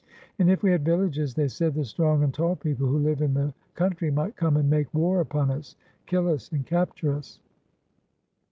And if we had villages," they said, "the strong and tall people who live in the country might come and make war upon us, kill us, and capture us."